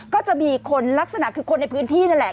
ก็จะมีคนลักษณะคือคนในพื้นที่นั่นแหละ